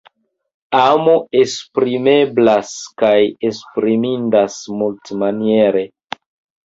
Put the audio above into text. Amo esprimeblas kaj esprimindas multmaniere.